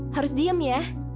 harus diem ya